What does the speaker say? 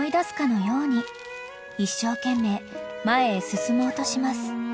［一生懸命前へ進もうとします］